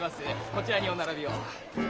こちらにお並びを。